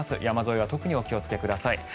山沿いは特にお気をつけください。